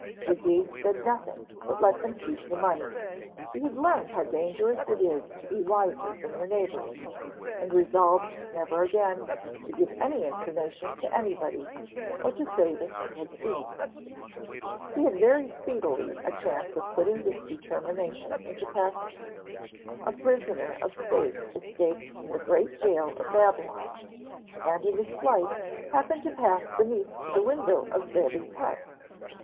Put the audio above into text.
Zadig said nothing, but let them keep the money. He had learned how dangerous it is to be wiser than your neighbours, and resolved never again to give any information to anybody, or to say what he had seen. He had very speedily a chance of putting this determination into practice. A prisoner of state escaped from the great gaol of Babylon, and in his flight happened to pass beneath the window of Zadig's hut.